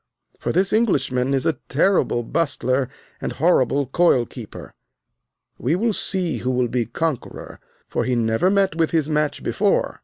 For this Englishman is a terrible bustler and horrible coil keeper. We will see who will be conqueror, for he never met with his match before.